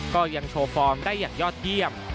ก็ยังโชว์ฟอร์มได้อย่างยอดเยี่ยม